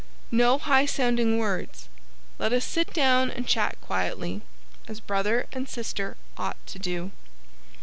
"No high sounding words! Let us sit down and chat quietly, as brother and sister ought to do."